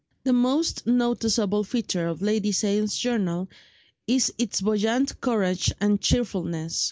The most noticeable feature of Lady Sale's journal is its buoyant courage and cheerfulness.